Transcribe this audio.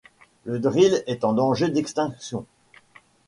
Le drill est en danger d'extinction